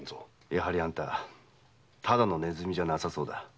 やはりあんたただの鼠じゃなさそうだ。